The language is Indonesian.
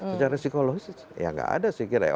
secara psikologis ya nggak ada sih